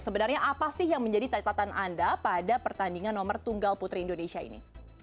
sebenarnya apa sih yang menjadi catatan anda pada pertandingan nomor tunggal putri indonesia ini